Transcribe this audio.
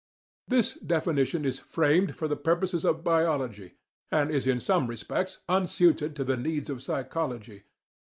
This definition is framed for the purposes of biology, and is in some respects unsuited to the needs of psychology.